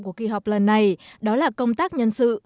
của kỳ họp lần này đó là công tác nhân sự